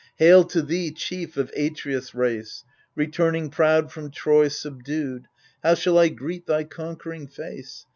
Hail to thee, chief of Atreus' race, Returning proud from Troy subdued ! How shall I greet thy conquering face